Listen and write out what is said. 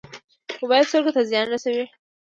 موبایل سترګو ته زیان رسوي